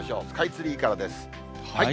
スカイツリーからです。